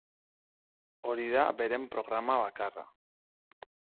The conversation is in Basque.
Hori da beren programa bakarra.